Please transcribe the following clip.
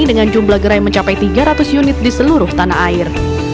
dengan jumlah gerai mencapai tiga ratus unit di seluruh tanah air